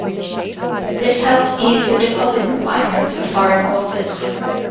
This helped ease the deposit requirements of foreign authors.